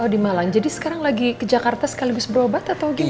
di malang jadi sekarang lagi ke jakarta sekaligus berobat atau gimana